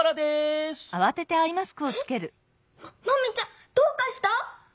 ママミちゃんどうかした？